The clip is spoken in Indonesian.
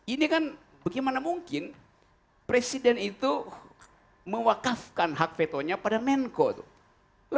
ini kan bagaimana mungkin presiden itu mewakafkan hak vetonya pada menko tuh